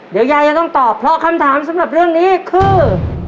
เดี๋ยวยายจะต้องตอบเพราะคำถามสำหรับเรื่องนี้คือ